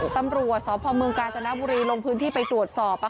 ตำรวจสพเมืองกาญจนบุรีลงพื้นที่ไปตรวจสอบ